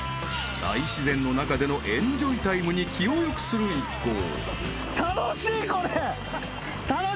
［大自然の中でのエンジョイタイムに気を良くする一行］